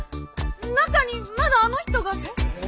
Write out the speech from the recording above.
中にまだあの人が！え？